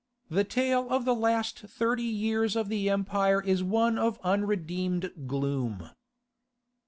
The tale of the last thirty years of the empire is one of unredeemed gloom.